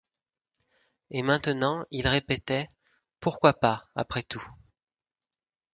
et maintenant il répétait: « Pourquoi pas, après tout?